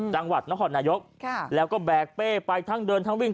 จังหวัดนครนายกแล้วก็แบกเป้ไปทั้งเดินทั้งวิ่ง